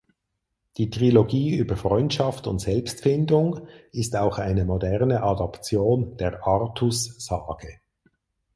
Die Trilogie über Freundschaft und Selbstfindung ist auch eine moderne Adaption der Artussage.